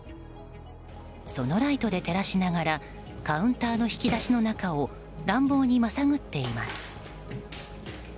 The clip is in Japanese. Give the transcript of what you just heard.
そのライトで照らしながらカウンターの引き出しの中を乱暴にまさぐっています。